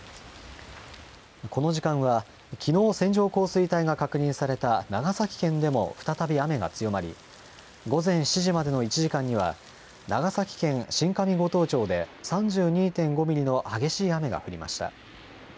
この時間は、きのう、線状降水帯が確認された長崎県でも再び雨が強まり、午前７時までの１時間には、長崎県新上五島町で３２．５ミリの激しい雨が降りました。